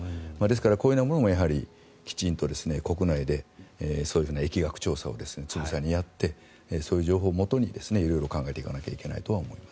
こういうものも、きちんと国内でそういうふうな疫学調査をつぶさにやってそういう情報をもとに色々考えていかなきゃいけないと思います。